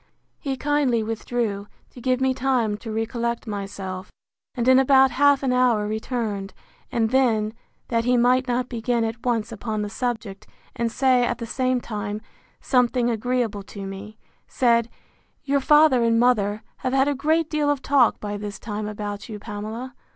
He kindly withdrew, to give me time to recollect myself; and in about half an hour returned: and then, that he might not begin at once upon the subject, and say, at the same time, something agreeable to me, said, Your father and mother have had a great deal of talk by this time about you, Pamela.